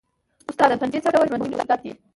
استاده فنجي څه ډول ژوندي موجودات دي